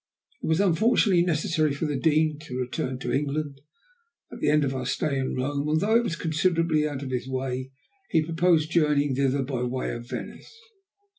It was unfortunately necessary for the Dean to return to England, at the end of our stay in Rome, and though it was considerably out of his way, he proposed journeying thither by way of Venice.